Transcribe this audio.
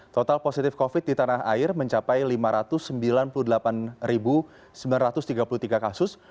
total positif covid di tanah air mencapai lima ratus sembilan puluh delapan sembilan ratus tiga puluh tiga kasus